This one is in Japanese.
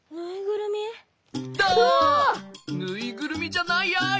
ぬいぐるみじゃないやい。